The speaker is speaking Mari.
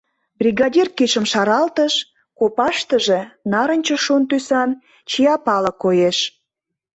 Бригадир кидшым шаралтыш, копаштыже нарынче-шун тӱсан чия пале коеш.